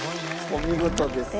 お見事です。